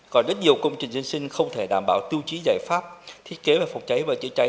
còn rất nhiều công trình dân sinh không thể đảm bảo tiêu chí giải pháp thiết kế về phòng cháy và chữa cháy